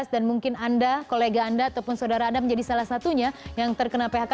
dan mungkin anda kolega anda ataupun saudara anda menjadi salah satunya yang terkena phk